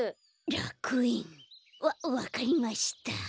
らくえん。わわかりました。